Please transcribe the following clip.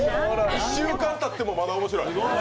１週間たってもまだおもしろい。